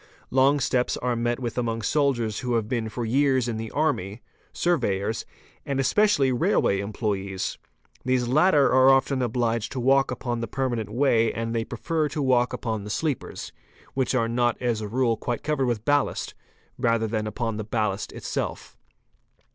Long steps are met vith among soldiers who have been for years in the army, surveyors, and specially railway employés. These latter are often obliged to walk upon the permanent way and they prefer to walk upon the sleepers, which 'are not as a rule quite covered with ballast, rather than upon the ballast tself.